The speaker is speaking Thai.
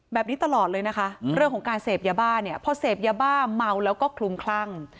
แบบนี้ตลอดเลยเรื่องของการเสบยบ้าเพราะเสบยบ้าเมาและก็คลุมคลั่ง